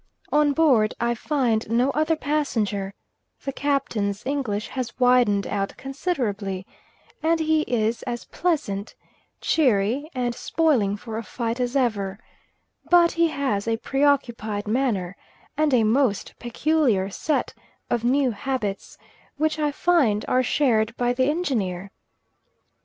On board I find no other passenger; the Captain's English has widened out considerably; and he is as pleasant, cheery, and spoiling for a fight as ever; but he has a preoccupied manner, and a most peculiar set of new habits, which I find are shared by the Engineer.